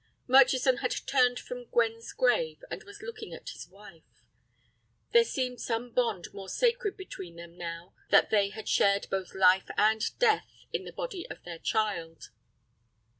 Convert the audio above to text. Murchison had turned from Gwen's grave, and was looking at his wife. There seemed some bond more sacred between them now that they had shared both life and death in the body of their child.